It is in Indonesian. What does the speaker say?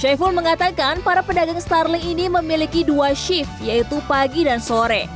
syaiful mengatakan para pedagang starling ini memiliki dua shift yaitu pagi dan sore